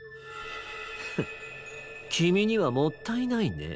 フンきみにはもったいないね。